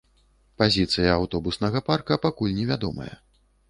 Пазіцыя аўтобуснага парка пакуль невядомая.